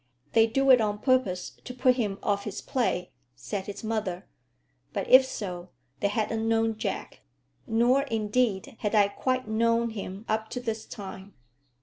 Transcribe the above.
"They do it on purpose to put him off his play," said his mother. But if so, they hadn't known Jack. Nor indeed had I quite known him up to this time.